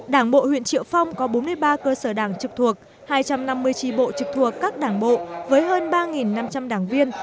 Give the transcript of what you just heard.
đảng bộ huyện triệu phong có bốn mươi ba cơ sở đảng trực thuộc hai trăm năm mươi tri bộ trực thuộc các đảng bộ với hơn ba năm trăm linh đảng viên